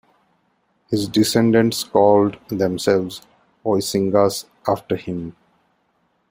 His descendants called themselves "Oiscingas" after him.